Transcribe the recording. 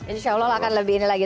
insya allah akan lebih ini lagi